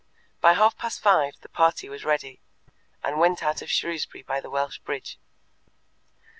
By half past five the party was ready, and went out of Shrewsbury by the Welsh Bridge.